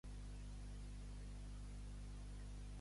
Un home envoltat d'altres en un tren de metro